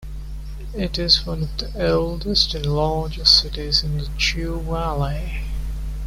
It is one of the oldest and largest cities in the Jiu Valley.